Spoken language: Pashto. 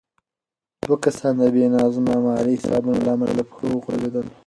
دوه کسان د بې نظمه مالي حسابونو له امله له پښو وغورځېدل.